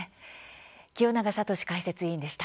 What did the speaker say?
清永聡解説委員でした。